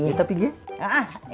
kita pergi ya